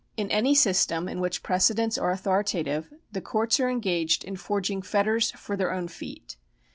In any system in which precedents are authoritative the courts are engaged in forging fetters for their own feet.